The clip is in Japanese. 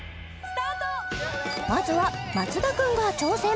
まずは松田君が挑戦